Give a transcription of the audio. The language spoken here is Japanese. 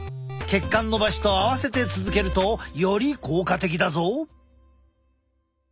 血管のばしと合わせて続けるとより効果的だぞ！